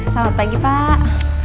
selamat pagi pak